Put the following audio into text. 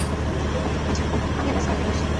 ওকে আচ্ছা ওহ, আমি আমার স্কার্ফ ফেলে আসছি।